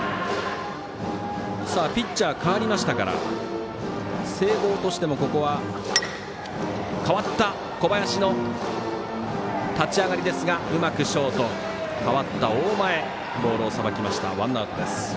ピッチャー代わりましたから聖望としても代わった小林の立ち上がりですがうまくショート、大前がボールをさばいてワンアウトです。